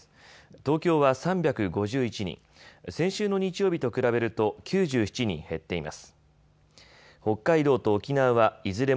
東京は３５１人、先週の日曜日と比べると９７人減っています。